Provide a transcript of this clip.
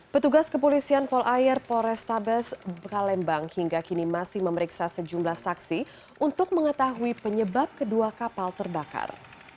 petugas kepolisian polair polrestabes palembang hingga kini masih memeriksa sejumlah saksi untuk mengetahui penyebab kedua kapal terbakar